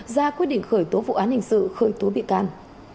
ra quyết định khởi tố vụ án hình sự khởi tố bị can